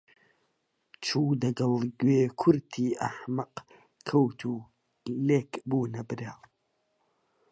چوو دەگەڵ گوێ کورتی ئەحمەق کەوت و لێک بوونە برا